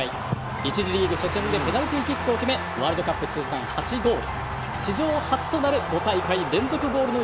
１次リーグ初戦でペナルティーキックを決めワールドカップ大会通算８ゴール。